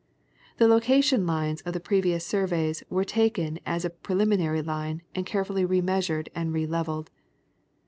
The location lines of the previous surveys were taken as a pre liminary line and carefully re measured and re levelled.